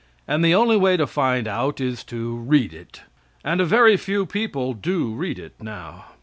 and the only way to find out is to read it; and a very few people do read it now.